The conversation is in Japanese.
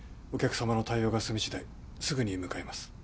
お客様の対応が済みしだいすぐに向かいます